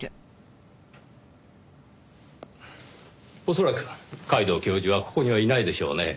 恐らく皆藤教授はここにはいないでしょうね。